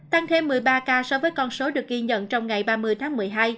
tăng thêm một mươi ba ca so với con số được ghi nhận trong ngày ba mươi tháng một mươi hai